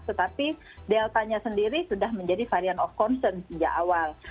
tetapi deltanya sendiri sudah menjadi varian of concern sejak awal